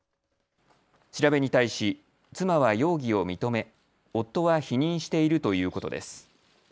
調べに対し妻は容疑を認め夫は否認しているということです。